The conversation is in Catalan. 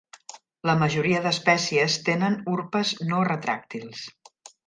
La majoria d'espècies tenen urpes no retràctils.